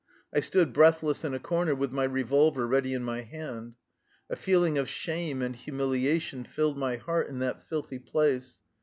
I stood breathless in a corner, with my revolver ready in my hand. A feeling of shame and humiliation filled my heart in that filthy place.